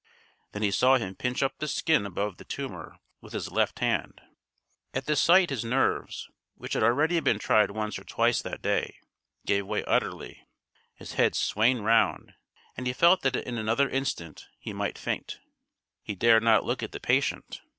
Then he saw him pinch up the skin above the tumour with his left hand. At the sight his nerves, which had already been tried once or twice that day, gave way utterly. His head swain round, and he felt that in another instant he might faint. He dared not look at the patient.